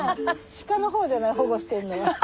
鹿の方じゃない保護してるのは。